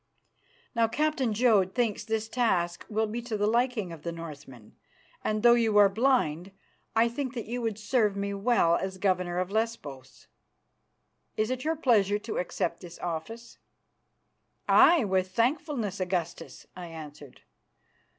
Now, Captain Jodd thinks this task will be to the liking of the Northmen, and though you are blind, I think that you would serve me well as governor of Lesbos. Is it your pleasure to accept this office?" "Aye, with thankfulness, Augustus," I answered.